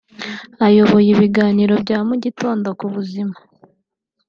Ayoboye ibiganiro bya mu gitondo ku buzima